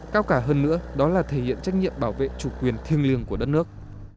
cao cả hơn nữa đó là thể hiện trách nhiệm bảo vệ chủ quyền thiêng liêng của đất nước